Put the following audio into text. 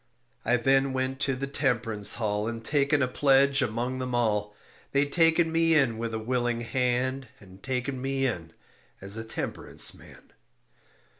I then went to the Temperance hall And taken a pledge among them all. They taken me in with a willing hand And taken me in as a temperance man.